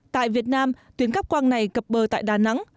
tại việt nam tuyến cắp quang này cập bờ tại đà nẵng